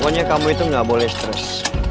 pokoknya kamu itu gak boleh stress